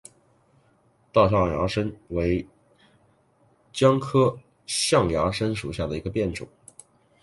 大象牙参为姜科象牙参属下的一个变种。